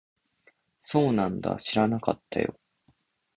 そうなんだ。知らなかったよ。